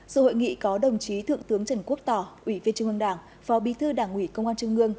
sự hội nghị có đồng chí thượng tướng trần quốc tỏ ủy viên trung ương đảng phó bí thư đảng ủy công an trung ương